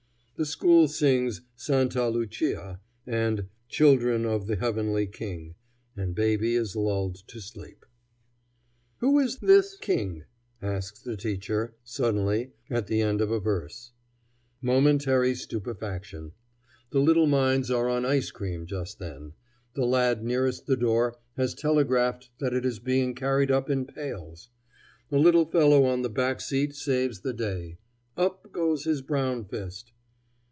The school sings "Santa Lucia" and "Children of the Heavenly King," and baby is lulled to sleep. "Who is this King?" asks the teacher, suddenly, at the end of a verse. Momentary stupefaction. The little minds are on ice cream just then; the lad nearest the door has telegraphed that it is being carried up in pails. A little fellow on the back seat saves the day. Up goes his brown fist.